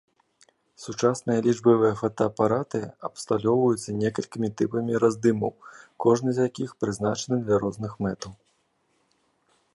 Сучасныя лічбавыя фотаапараты абсталёўваюцца некалькімі тыпамі раздымаў, кожны з якіх прызначаны для розных мэтаў.